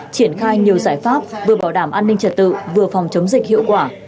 triển khai nhiều giải pháp vừa bảo đảm an ninh trật tự vừa phòng chống dịch hiệu quả